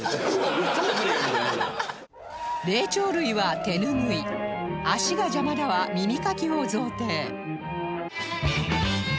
「霊長類」は手ぬぐい「足が邪魔だ」は耳かきを贈呈